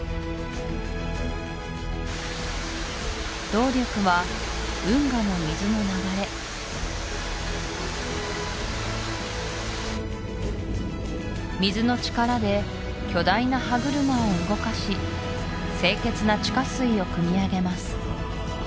動力は運河の水の流れ水の力で巨大な歯車を動かし清潔な地下水をくみ上げます